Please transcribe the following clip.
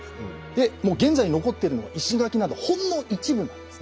でもう現在残ってるのが石垣などほんの一部なんですね。